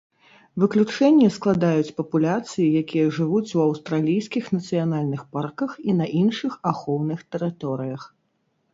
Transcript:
Выключэнне складаюць папуляцыі, якія жывуць у аўстралійскіх нацыянальных парках і на іншых ахоўных тэрыторыях.